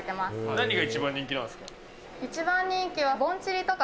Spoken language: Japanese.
何が一番人気なんですか？